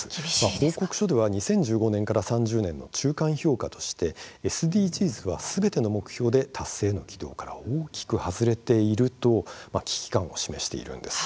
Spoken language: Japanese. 報告書では２０１５年から３０年の中間評価としてＳＤＧｓは、すべての目標で達成の軌道から大きく外れていると危機感を示しています。